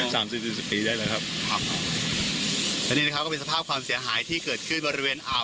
สามสิบสี่สิบปีได้แล้วครับครับและนี่นะครับก็เป็นสภาพความเสียหายที่เกิดขึ้นบริเวณอ่าว